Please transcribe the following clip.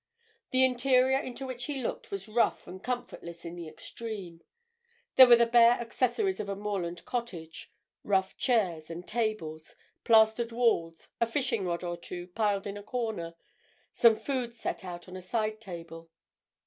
The interior into which he looked was rough and comfortless in the extreme. There were the bare accessories of a moorland cottage; rough chairs and tables, plastered walls, a fishing rod or two piled in a corner; some food set out on a side table.